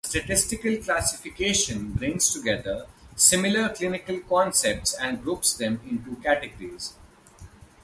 A statistical classification brings together similar clinical concepts and groups them into categories.